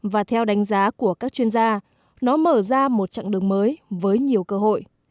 và theo đánh giá của các chuyên gia nó mở ra một chặng đường mới với nhiều cơ hội